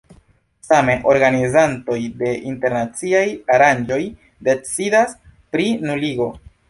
Same, organizantoj de internaciaj aranĝoj decidas pri nuligo.